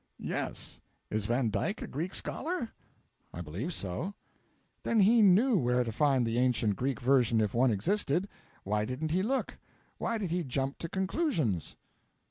'Yes. Is Van Dyke a Greek scholar?' 'I believe so.' 'Then he knew where to find the ancient Greek version if one existed. Why didn't he look? Why did he jump to conclusions?'